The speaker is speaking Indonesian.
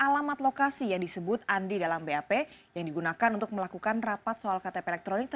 tentang rencana penggunaan anggaran ktp elektronik